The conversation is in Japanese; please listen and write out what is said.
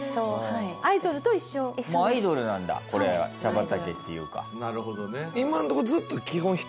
もうアイドルなんだこれ茶畑っていうか。